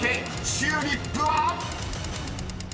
［チューリップは⁉］